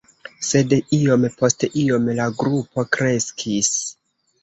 Sed iom post iom la grupo kreskis.